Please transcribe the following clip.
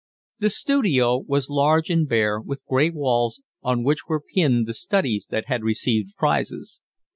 The studio was large and bare, with gray walls, on which were pinned the studies that had received prizes.